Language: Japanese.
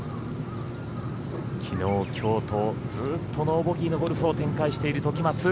きのう、きょうとずっとノーボギーのゴルフを展開している時松。